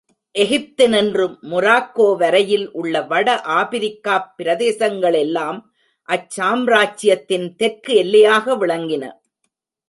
எகிப்தினின்று Morocco வரையில் உள்ள வட ஆப்பிரிக்காப் பிரதேசங்களெல்லாம் அச் சாம்ராஜ்யத்தின் தெற்கு எல்லையாக விளங்கின.